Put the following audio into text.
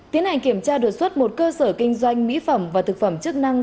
tiến hành kiểm tra đột xuất một cơ sở kinh doanh mỹ phẩm và thực phẩm chức năng